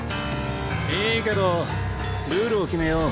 いいけどルールを決めよう。